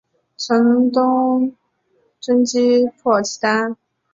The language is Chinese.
曾东征击破契丹。